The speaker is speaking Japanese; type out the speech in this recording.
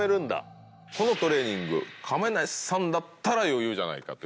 このトレーニング、亀梨さんだったら余裕じゃないかと。